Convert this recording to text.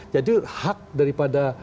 jadi hak daripada